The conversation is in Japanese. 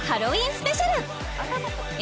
スペシャルえ